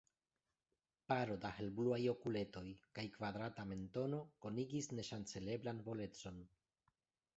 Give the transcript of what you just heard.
Paro da helbluaj okuletoj kaj kvadrata mentono konigis neŝanceleblan volecon.